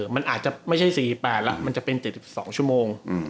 มันอาจจะไม่ใช่๔๘แล้วมันจะเป็น๗๒ชั่วโมง